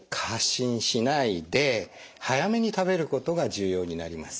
早めに食べることが重要になります。